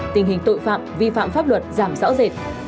tình hình tội phạm vi phạm pháp luật giảm rõ rệt